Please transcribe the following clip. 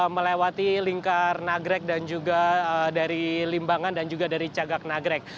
melewati lingkaranagrek dan juga dari limbangan dan juga dari cagaknagrek